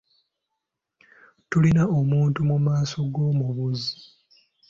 Tunula omuntu mu maaso ng'omubuuza.